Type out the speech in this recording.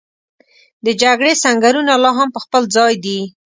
د جګړې سنګرونه لا هم په خپل ځای دي.